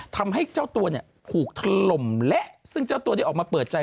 ทำให้เจ้าตัวเนี่ยถูกถล่มและซึ่งเจ้าตัวได้ออกมาเปิดใจ